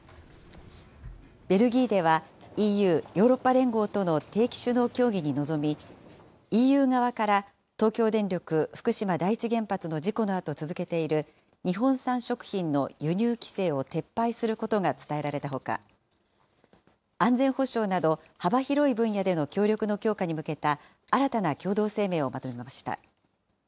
ベルギーでは、ＥＵ・ヨーロッパ連合との定期首脳協議に臨み、ＥＵ側から東京電力福島第一原発の事故のあと続けている、日本産食品の輸入規制を撤廃することが伝えられたほか、安全保障など、幅広い分野での協力の強化に向けた新たな共同声明をまとめました。